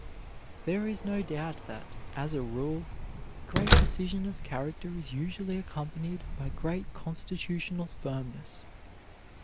There is no doubt that, as a rule, great decision of character is usually accompanied by great constitutional firmness.